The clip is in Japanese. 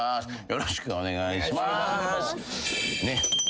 よろしくお願いします。